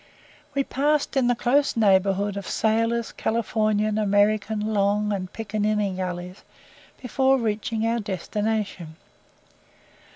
We passed in the close neighbourhood of Sailor's, Californian, American, Long, and Piccaninny Gullies before reaching our destination.